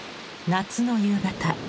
夏の夕方。